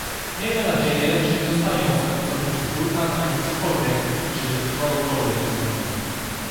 Miejmy nadzieję, że nie zostanie on zakłócony przez wulkan ani cokolwiek czy kogokolwiek innego!